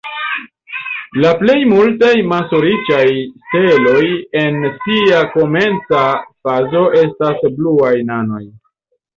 La plej multaj maso-riĉaj steloj en sia komenca fazo estas bluaj nanoj.